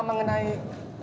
adanya ada penguasaan kakoli